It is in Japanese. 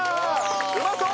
うまそう！